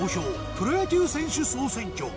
プロ野球選手総選挙。